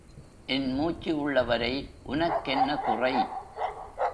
என் மூச்சு உள்ளவரை உனக்கென்ன குறை?